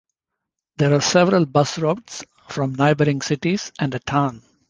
There are several bus routes from neighbouring cities and a town.